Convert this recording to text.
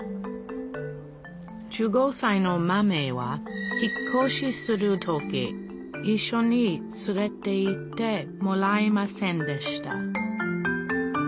１５さいのマメは引っ越しする時いっしょに連れていってもらえませんでした